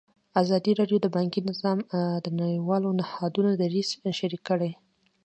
ازادي راډیو د بانکي نظام د نړیوالو نهادونو دریځ شریک کړی.